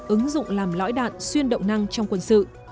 ứng dụng làm lõi đạn xuyên động năng trong quân sự